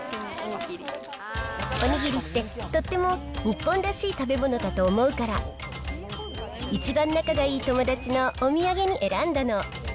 おにぎりってとっても日本らしい食べ物だと思うから、一番仲がいい友達のお土産に選んだの。